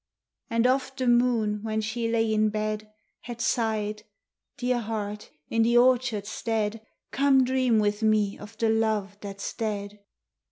And oft the moon, when she lay in bed, Had sighed, "Dear heart, in the orchardstead Come dream with me of the love that's dead."